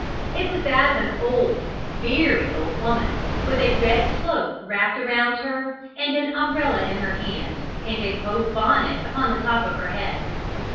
It was that of an old, a very old woman, with a red cloak wrapped around her, an umbrella in her hand, and a poke bonnet upon the top of her head.